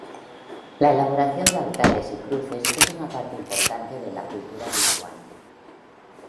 La elaboración de altares y cruces es una parte importante de la cultura lituana.